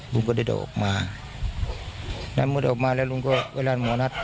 ลุงก็ได้เดินออกมาแล้วลุงก็เวลาหมอนัด